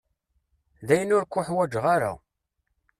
Dayen ur k-uḥwaǧeɣ ara.